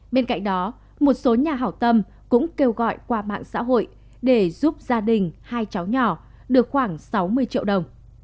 bên cạnh đó một số nhà hảo tâm cũng kêu gọi qua mạng xã hội để giúp gia đình hai cháu nhỏ được khoảng sáu mươi triệu đồng